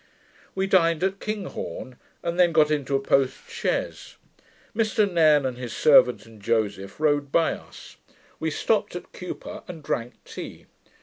We dined at Kinghorn, and then got into a post chaise. Mr Nairne and his servant, and Joseph, rode by us. We stopped at Cupar, and drank tea.